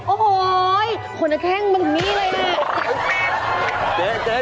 โอ้โฮขนแข้งมันมีเลยน่ะ